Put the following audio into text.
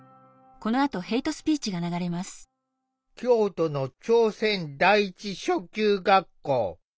京都の朝鮮第一初級学校。